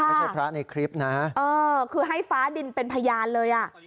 ไม่ใช่พระในคลิปนะเออคือให้ฟ้าดินเป็นพยานเลยอ่ะ